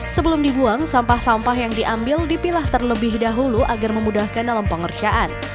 sebelum dibuang sampah sampah yang diambil dipilah terlebih dahulu agar memudahkan dalam pengerjaan